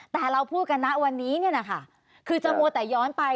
แต่เราพูดกันณวันนี้คือจะโมะแต่ย้อนไป